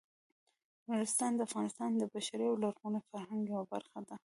نورستان د افغانستان د بشري او لرغوني فرهنګ یوه برخه ده.